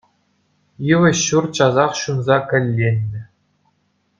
Йывӑҫ ҫурт часах ҫунса кӗлленнӗ.